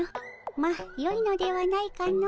まあよいのではないかの。